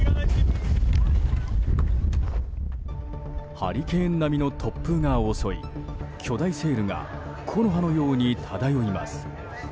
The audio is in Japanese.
ハリケーン並みの突風が襲い巨大セールが木の葉のように漂います。